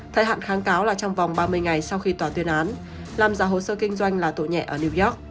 thời hạn kháng cáo là trong vòng ba mươi ngày sau khi tòa tuyên án làm giả hồ sơ kinh doanh là tội nhẹ ở new york